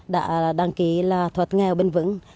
đã đăng ký thuật nghèo bình vững